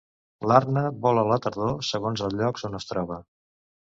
L'arna vola a la tardor, segons el lloc on es troba.